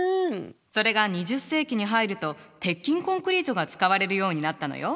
それが２０世紀に入ると鉄筋コンクリートが使われるようになったのよ。